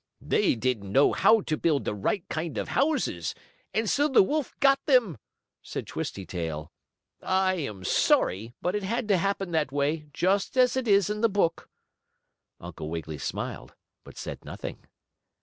"They didn't know how to build the right kind of houses, and so the wolf got them," said Twisty Tail. "I am sorry, but it had to happen that way, just as it is in the book." Uncle Wiggily smiled, but said nothing.